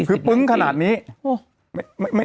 คือปึ้งขนาดนี้